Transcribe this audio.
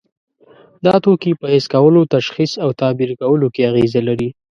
دا توکي په حس کولو، تشخیص او تعبیر کولو کې اغیزه لري.